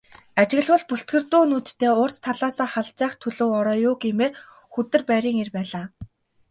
Ажиглавал бүлтгэрдүү нүдтэй урд талаасаа халзайх төлөв ороо юу гэмээр, хүдэр байрын эр байлаа.